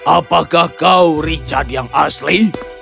apakah kau richard yang asli